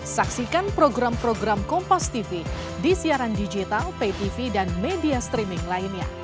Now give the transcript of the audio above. saksikan program program kompastv di siaran digital ptv dan media streaming lainnya